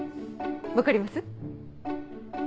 分かります？